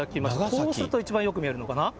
こうすると一番よく見えるのかな。